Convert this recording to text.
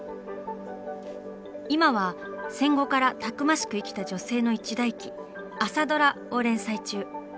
今は戦後からたくましく生きた女性の一代記「あさドラ！」を連載中。